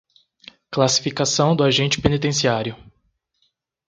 Classificação do agente penitenciário